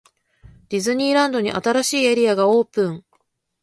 ディズニーランドに、新しいエリアがオープン!!